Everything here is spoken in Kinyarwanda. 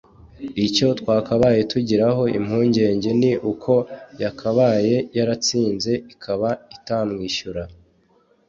Icyo twakabaye tugiraho impungenge ni uko yakabaye yaratsinze ikaba itamwishyura